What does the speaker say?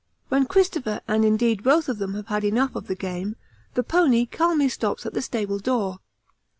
When Christopher and indeed both of them have had enough of the game, the pony calmly stops at the stable door.